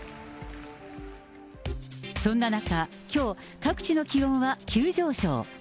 そんな中、きょう、各地の気温は急上昇。